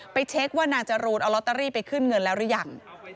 เช็คว่านางจรูนเอาลอตเตอรี่ไปขึ้นเงินแล้วหรือยัง